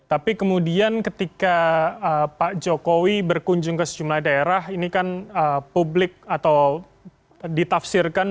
tapi kemudian ketika pak jokowi berkunjung ke sejumlah daerah ini kan publik atau ditafsirkan